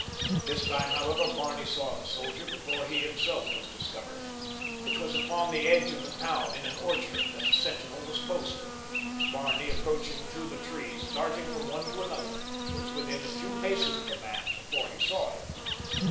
This time, however, Barney saw the soldier before he himself was discovered. It was upon the edge of the town, in an orchard, that the sentinel was posted. Barney, approaching through the trees, darting from one to another, was within a few paces of the man before he saw him.